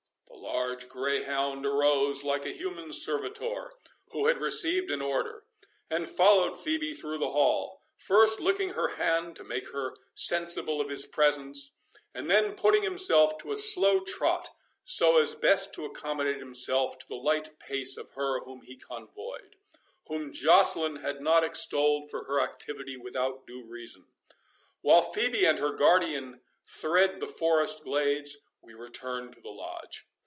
The large greyhound arose like a human servitor who had received an order, and followed Phœbe through the hall, first licking her hand to make her sensible of his presence, and then putting himself to a slow trot, so as best to accommodate himself to the light pace of her whom he convoyed, whom Joceline had not extolled for her activity without due reason. While Phœbe and her guardian thread the forest glades, we return to the Lodge.